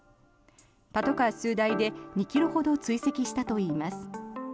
パトカー数台で２ｋｍほど追跡したといいます。